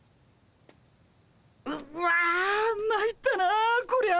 ううわまいったなこりゃ。